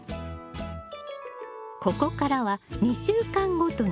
ここからは２週間ごとに追肥。